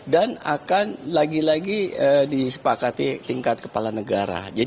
dan akan lagi lagi disepakati tingkat kepala negara